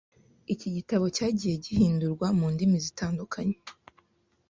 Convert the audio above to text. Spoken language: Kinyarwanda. Iki gitabo cyagiye gihindurwa mundimi zitandukanye